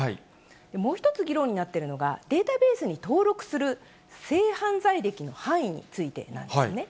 もう１つ議論になってるのが、データベースに登録する性犯罪歴の範囲についてなんですね。